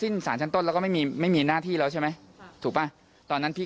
มีรายงานว่ามีคนบนเรือติดต่อมาไหม